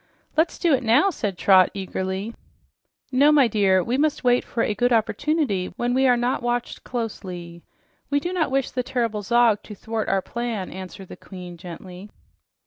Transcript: "Let's do it now!" said Trot eagerly. "No, my dear, we must wait for a good opportunity when we are not watched closely. We do not wish the terrible Zog to thwart our plan," answered the Queen gently.